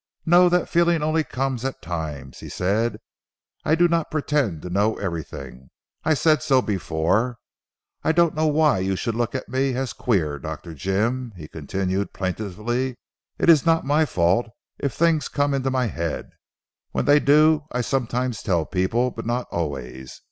"No. That feeling only comes at times," he said. "I do not pretend to know everything. I said so before. I don't know why you should look on me as queer Dr. Jim," he continued plaintively, "it is not my fault if things come into my head. When they do, I sometimes tell people, but not always.